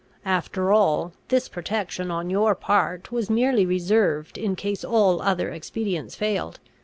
After all, this protection, on your part, was merely reserved in case all other expedients failed.